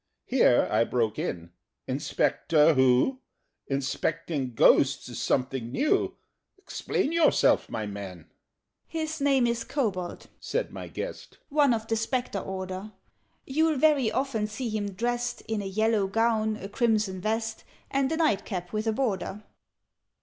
Here I broke in "Inspector who? Inspecting Ghosts is something new! Explain yourself my man!" "His name is Kobold," said my guest: "One of the Spectre order: You'll very often see him dressed In a yellow gown, a crimson vest, And a night cap with a border.